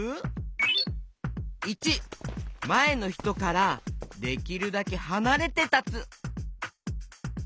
①まえのひとからできるだけはなれてたつ。